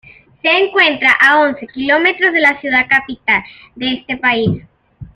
Se encuentra a once kilómetros de la ciudad capital de este país.